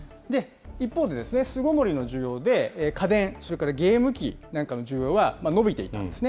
一方で、巣ごもりの需要で家電、それからゲーム機なんかの需要は伸びていたんですね。